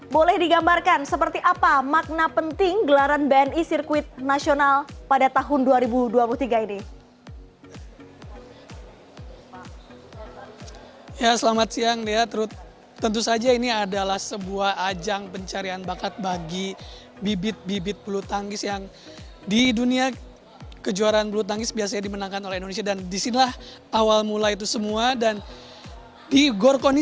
boleh digambarkan seperti apa makna penting gelaran bni sirkuit nasional pada tahun dua ribu dua puluh tiga ini